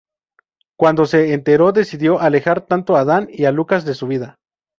Cuando se enteró decidió alejar tanto a Dan y a Lucas de su vida.